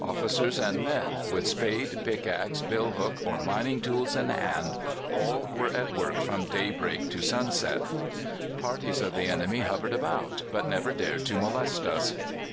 Officers and men, with spade, pickaxe, bill hook, or mining tools in hand all were at work from daybreak to sunset. Parties of the enemy hovered about, but never dared to molest us.